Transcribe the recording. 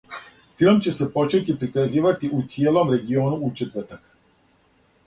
Филм ће се почети приказивати у цијелом региону у четвртак.